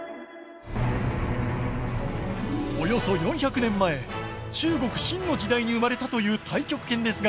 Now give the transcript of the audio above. およそ４００年前中国清の時代に生まれたという太極拳ですが。